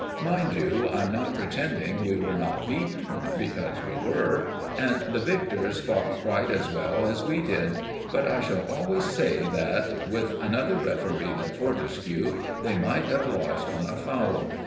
Mind you, I'm not pretending we were not beaten, because we were; and the victors fought quite as well as we did; but I shall always say that, with another referee than Fortescue, they might have lost on a foul.